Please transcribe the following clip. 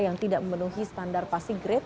yang tidak memenuhi standar pasi grade